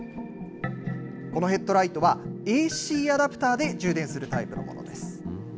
このヘッドライトは、ＡＣアダプターで充電するタイプのものです。